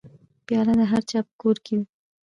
پیاله د هرچا په کور کې وي.